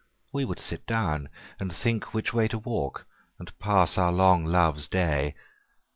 We would sit down, and think which wayTo walk, and pass our long Loves Day.